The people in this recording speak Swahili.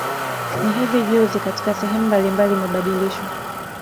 Ni hivi juzi katika sehemu mbalimbali imebadilishwa